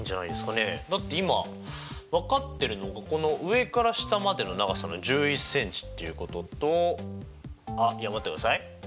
だって今分かっているのはここの上から下までの長さが１１ｃｍっていうこととあっいや待ってくださいそうか